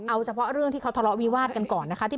เอาเฉพาะเรื่องที่เขาทะเลาะวิวาดกันก่อนนะคะ